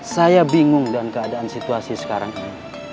saya bingung dengan keadaan situasi sekarang ini